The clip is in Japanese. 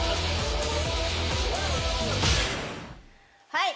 はい！